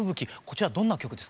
こちらどんな曲ですか？